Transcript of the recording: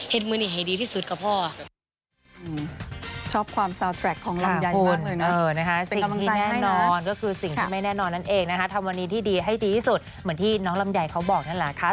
เหมือนที่น้องลำยายเขาบอกนั่นแหละค่ะ